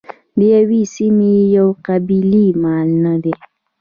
د یوې سیمې یوې قبیلې مال نه دی.